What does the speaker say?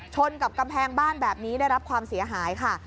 กับกำแพงบ้านแบบนี้ได้รับความเสียหายค่ะ